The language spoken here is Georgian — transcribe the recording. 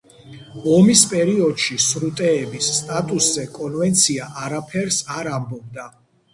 ომის პერიოდში სრუტეების სტატუსზე კონვენცია არაფერს არ ამბობდა.